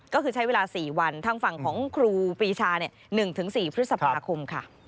ก็คือใช้เวลา๔วันทางฝั่งของครูปีชา๑๔พฤษภาคมค่ะ